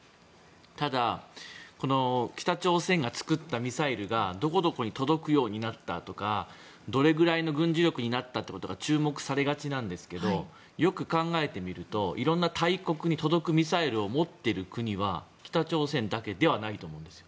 ただこの北朝鮮が作ったミサイルがどこどこに届くようになったとかどれぐらいの軍事力になったということが注目されがちなんですがよく考えてみると色んな大国に届くミサイルを持っている国は北朝鮮だけではないと思うんです。